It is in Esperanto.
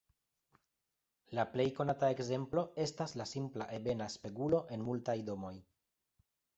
La plej konata ekzemplo estas la simpla ebena spegulo en multaj domoj.